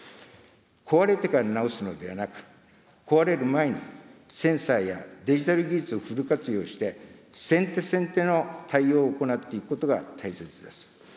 壊れてから直すのではなく、壊れる前にセンサーやデジタル技術をフル活用して、先手先手の対応を行っていくことが大切です。